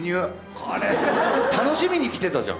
これ楽しみに生きてたじゃん